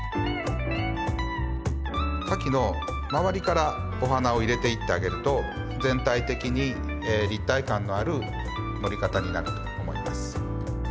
花器の周りからお花を入れていってあげると全体的に立体感のある盛り方になると思います。